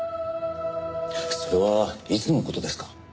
それはいつの事ですか？